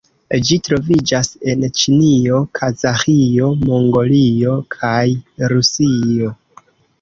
Ĝi troviĝas en Ĉinio, Kazaĥio, Mongolio kaj Rusio.